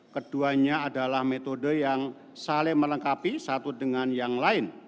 keduanya adalah metode yang saling melengkapi satu dengan yang lain